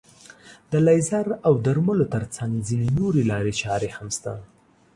د لیزر او درملو تر څنګ ځينې نورې لارې چارې هم شته.